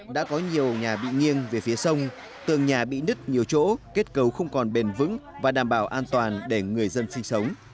đã có nhiều nhà bị nghiêng về phía sông tường nhà bị nứt nhiều chỗ kết cấu không còn bền vững và đảm bảo an toàn để người dân sinh sống